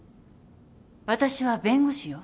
私は弁護士よ。